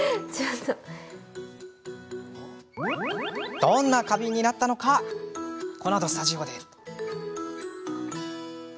どんな花瓶になったのかこのあと、スタジオで！